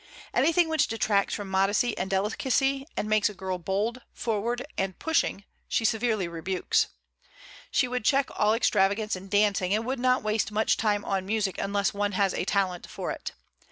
Anything which detracts from modesty and delicacy, and makes a girl bold, forward, and pushing, she severely rebukes. She would check all extravagance in dancing, and would not waste much time on music unless one has a talent for it.